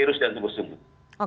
terus dan sungguh sungguh